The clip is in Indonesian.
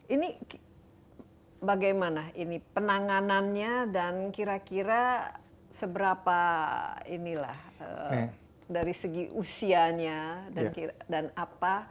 ini bagaimana ini penanganannya dan kira kira seberapa inilah dari segi usianya dan apa